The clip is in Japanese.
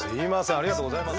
ありがとうございます。